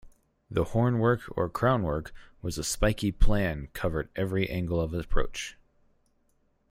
The hornwork or crownwork was a spiky plan covered every angle of approach.